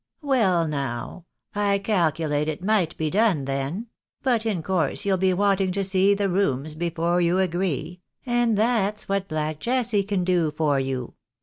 " Well now I calculate it might be done then ; but in course you'll be wanting to see the rooms before you agree ; and that's what Black Jessy can do for you."